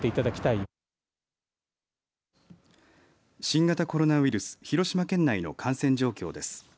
新型コロナウイルス、広島県内の感染状況です。